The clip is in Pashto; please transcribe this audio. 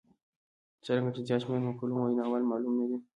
څرنګه چې د زیات شمېر مقولو ویناوال معلوم نه دي.